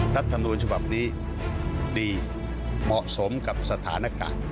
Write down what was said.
รัฐมนูญฉบับนี้ดีเหมาะสมกับสถานการณ์